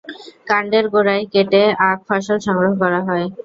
কান্ডের গোড়ায় কেটে আখ ফসল সংগ্রহ করা হয়।